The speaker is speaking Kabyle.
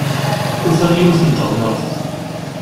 Ufan yiwet n teɣmert.